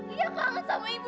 ibu kangen sama ibu